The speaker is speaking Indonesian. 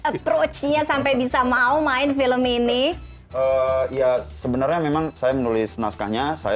approach nya sampai bisa mau main film ini ya sebenarnya memang saya menulis naskahnya saya